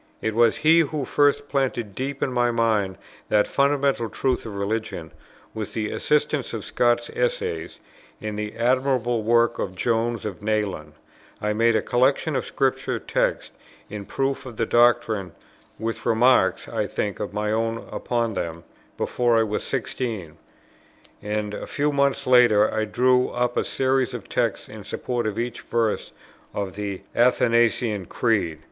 It was he who first planted deep in my mind that fundamental truth of religion. With the assistance of Scott's Essays, and the admirable work of Jones of Nayland, I made a collection of Scripture texts in proof of the doctrine, with remarks (I think) of my own upon them, before I was sixteen; and a few months later I drew up a series of texts in support of each verse of the Athanasian Creed.